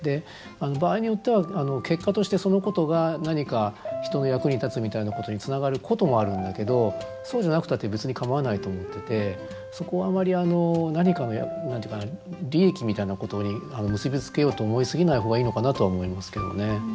場合によっては結果としてそのことが何か人の役に立つみたいなことにつながることもあるんだけどそうじゃなくたって別に構わないと思っててそこをあまり何かの何て言うかな利益みたいなことに結び付けようと思い過ぎない方がいいのかなとは思いますけどね。